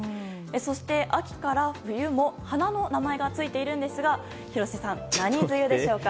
そして、秋から冬も花の名前がついているんですが廣瀬さん、何梅雨でしょうか？